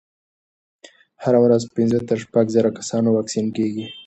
هره ورځ پنځه تر شپږ زره کسانو واکسین کېږي.